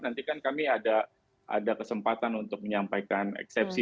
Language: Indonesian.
nanti kan kami ada kesempatan untuk menyampaikan eksepsi